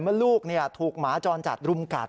เมื่อลูกถูกหมาจรจัดรุมกัด